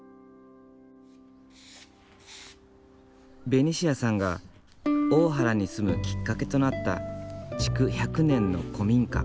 ベニシアさんが大原に住むきっかけとなった築１００年の古民家。